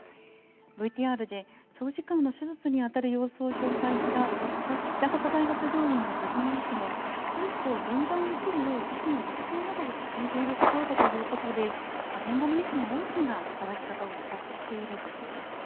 ＶＴＲで長時間の手術に当たる様子を紹介した、北里大学病院の田島医師も、手術を分担できるよう医師の育成などを進めているところだということで、現場の医師の多くが、働き方を模索している状況です。